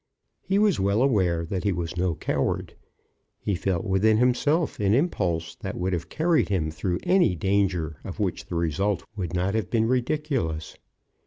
He was well aware that he was no coward. He felt within himself an impulse that would have carried him through any danger of which the result would not have been ridiculous.